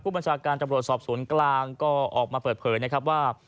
บัญชาการตำรวจสอบสวนกลางก็ออกมาเปิดเผยนะครับว่า